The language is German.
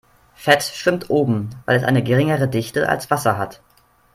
Fett schwimmt oben, weil es eine geringere Dichte als Wasser hat.